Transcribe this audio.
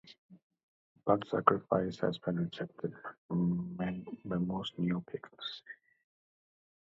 Blood sacrifice has been rejected by most neopagans.